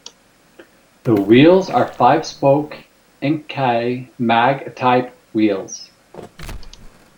The wheels are five-spoke Enkei mag type wheels.